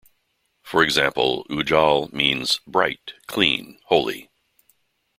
For example, Ujjal means "bright, clean, holy".